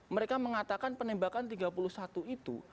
mereka mengatakan penembakan tiga puluh satu itu